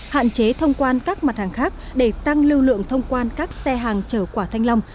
hạn chế thông quan các mặt hàng khác để tăng lưu lượng thông quan các xe hàng chở quả thanh long